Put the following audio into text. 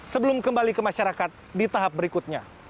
sebelum kembali ke masyarakat di tahap berikutnya